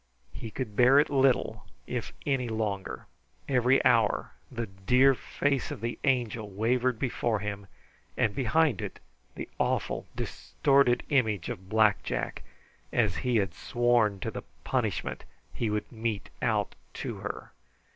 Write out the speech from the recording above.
He could bear it little, if any, longer. Every hour the dear face of the Angel wavered before him, and behind it the awful distorted image of Black Jack, as he had sworn to the punishment he would mete out to her.